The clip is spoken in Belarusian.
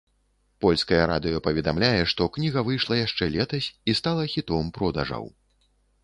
Польскае радыё паведамляе, што кніга выйшла яшчэ летась і стала хітом продажаў.